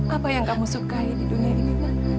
apa yang kamu sukai di dunia ini